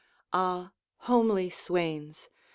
Ah, homely swains!